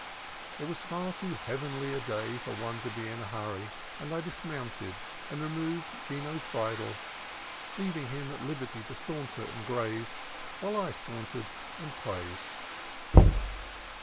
It was far too heavenly a day for one to be in a hurry, and I dismounted and removed Chino's bridle, leaving him at liberty to saunter and graze while I sauntered and praised.